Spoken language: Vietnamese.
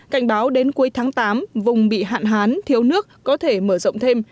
cảnh báo đến cuối tháng tám vùng bị hạn hán thiếu nước có thể mở rộng thêm